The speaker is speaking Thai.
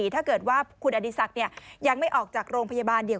ถ้าเกิดว่าคุณอดีศักดิ์ยังไม่ออกจากโรงพยาบาลเดียว